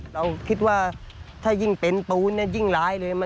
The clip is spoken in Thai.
เราคิดว่าถ้ายิ่งเป็นปูนยิ่งร้ายเลย